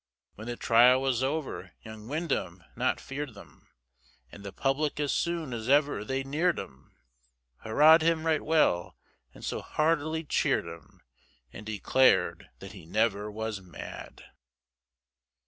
When the trial was over, young Windham not fear'd them, And the public as soon as ever they near'd him, Hurrah'd him right well, and so heartily cheer'd him, And declar'd that he never was mad.